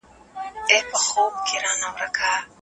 له خپلو تېرو سياسي تېروتنو څخه عبرت واخلئ.